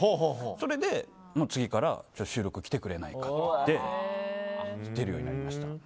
それで次から収録来てくれないかって出るようになりました。